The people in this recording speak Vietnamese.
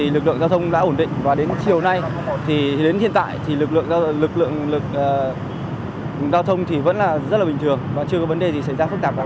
lực lượng giao thông đã ổn định và đến chiều nay đến hiện tại lực lượng giao thông vẫn rất bình thường và chưa có vấn đề gì xảy ra phức tạp